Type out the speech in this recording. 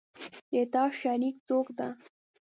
د تا شریک څوک ده